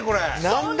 何だ？